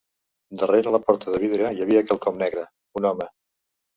Darrera la porta de vidre hi havia quelcom negre: un home.